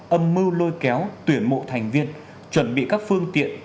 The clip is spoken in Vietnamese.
âm mưu lôi kéo tuyển mộ thành viên chuẩn bị các phương tiện